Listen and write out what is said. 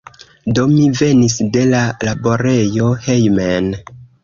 Do mi venis de la laborejo hejmen.